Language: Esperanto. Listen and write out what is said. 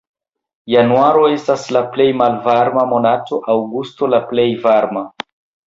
Januaro estas la plej malvarma monato, aŭgusto la plej varma.